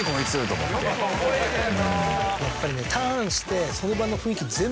やっぱりねターンしてその場の。